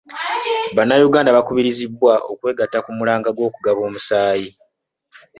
Bannayuganda bakubirizibwa okwegatta ku mulanga gw'okugaba omusaayi.